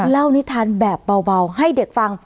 นิทานแบบเบาให้เด็กฟัง